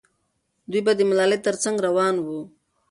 دوی به د ملالۍ تر څنګ روان وو.